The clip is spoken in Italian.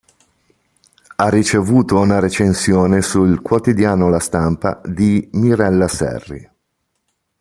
Ha ricevuto una recensione su il quotidiano La Stampa di Mirella Serri.